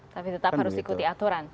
tapi tetap harus ikuti aturan